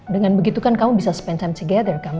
dengan begitu kan kamu bisa spend time together kamu